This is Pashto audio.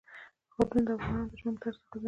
ښارونه د افغانانو د ژوند طرز اغېزمنوي.